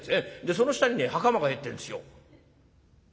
その下にね袴が入ってるんですよ」。